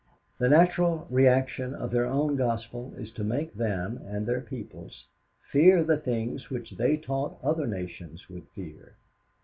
The natural reaction of their own gospel is to make them and their peoples fear the things which they taught other nations would fear.